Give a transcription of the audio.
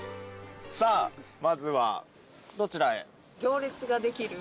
さあまずはどちらへ？